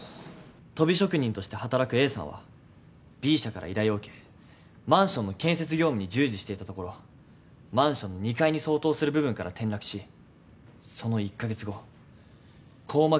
とび職人として働くＡさんはＢ社から依頼を受けマンションの建設業務に従事していたところマンションの２階に相当する部分から転落しその１カ月後硬膜外血腫を起こし急死しました。